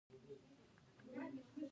افغانستان د اوړي له امله شهرت لري.